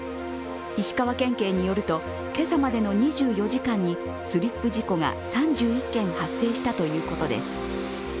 石川県警によると、今朝までの２４時間にスリップ事故が３１件発生したということです。